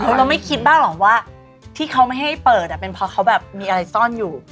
เราไม่คิดบ้างหรอกว่าที่เขาไม่ให้เปิดเป็นเพราะเขาแบบมีอะไรซ่อนอยู่